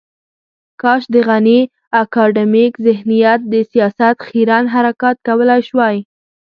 کاش د غني اکاډمیک ذهنیت د سياست خیرن حرکات کولای شوای.